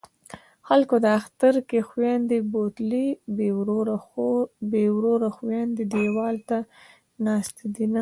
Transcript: خلکو اختر کې خویندې بوتلې بې وروره خویندې دېواله ته ناستې دینه